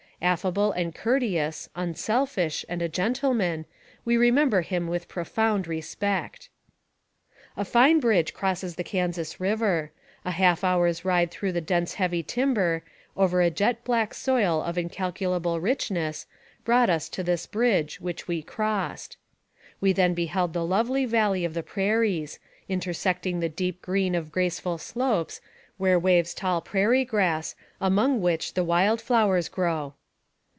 Affable and courteous, unselfish, and a gentleman, we remember him with profound respect. A fine bridge crosses the Kansas River. A half hour's ride through the dense heavy timber, over a jet black soil of incalculable richness, brought us to this bridge, which we crossed. We then beheld the lovely valley of the prairies, intersecting the deep green of graceful slopes, where waves tall prairie grass, among which the wild flow ers grow.